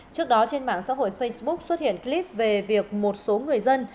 trước đó trên mạng xã hội facebook xuất hiện clip về việc một số người dân